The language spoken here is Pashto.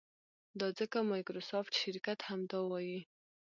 دا ځکه مایکروسافټ شرکت همدا وایي.